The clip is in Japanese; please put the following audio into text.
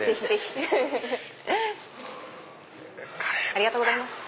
ありがとうございます。